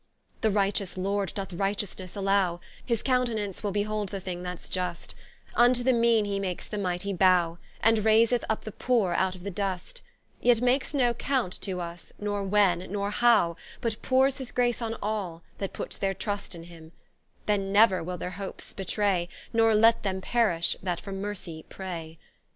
The righteous Lord doth righteousnesse alow, His countenance will behold the thing that's just; Vnto the Meane he makes the Mightie bow, And raiseth vp the Poore out of the dust: Yet makes no count to vs, nor when, nor how, But powres his grace on all, that puts their trust In him: that never will their hopes betray, Nor lets them perish that for mercie pray.